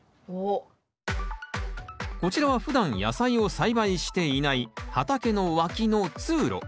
こちらはふだん野菜を栽培していない畑の脇の通路。